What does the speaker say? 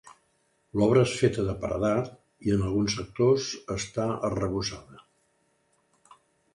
L'obra és feta de paredat i en alguns sectors està arrebossada.